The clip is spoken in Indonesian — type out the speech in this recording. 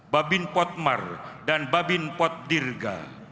babin potmar dan babin potdirga